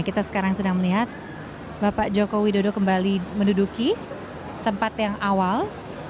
kita sekarang sedang melihat bapak joko widodo kembali menduduki tempat yang awal